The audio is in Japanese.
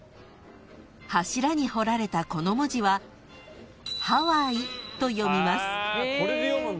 ［柱に彫られたこの文字は「ハワイ」と読みます］